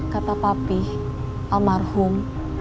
kata papih almarhum